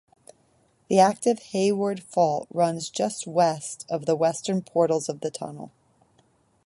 The active Hayward Fault runs just west of the western portals of the tunnel.